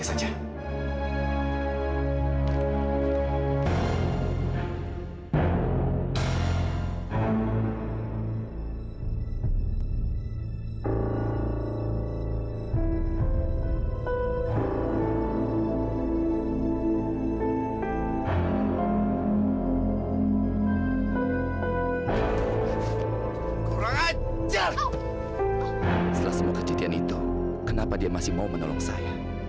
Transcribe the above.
setelah semua kejadian itu kenapa dia masih mau menolong saya